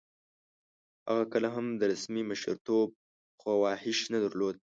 هغه کله هم د رسمي مشرتوب خواهیش نه درلود.